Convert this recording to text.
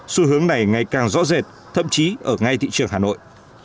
xu hướng này ngày càng rõ rệt thậm chí ở ngay thị trường hà nội